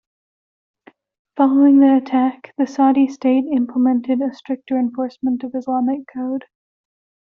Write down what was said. Following the attack, the Saudi state implemented a stricter enforcement of Islamic code.